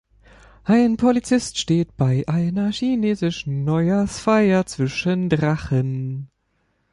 Ein Polizist steht bei einer chinesischen Neujahrsfeier zwischen Drachen